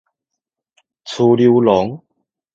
趨溜廊